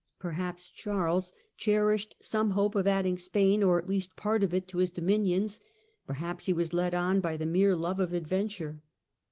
Perhaps Charles cherished some hope of adding Spain, or at least part of it, to his dominions — perhaps he was led on by the mere love of adventure.